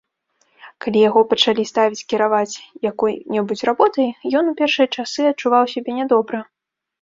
Калі яго пачалі ставіць кіраваць якой-небудзь работай, ён у першыя часы адчуваў сябе нядобра.